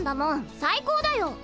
最高だよ。